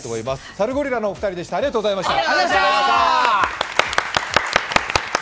サルゴリラのお二人でした、ありがとうございました。